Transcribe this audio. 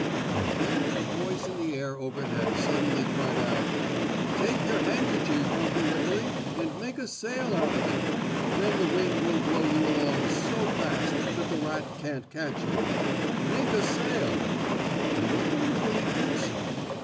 And then a voice in the air overhead suddenly cried out: "Take your handkerchief, Uncle Wiggily, and make a sail out of it. Then the wind will blow you along so fast that the rat can't catch you. Make a sail!" And Uncle Wiggily did so.